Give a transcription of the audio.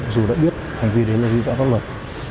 dù đã biết hành vi đấy là lưu trả pháp luật